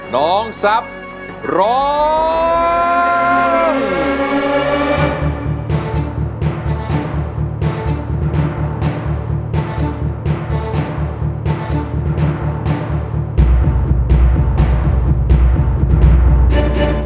น้องทรัพย์ร้อง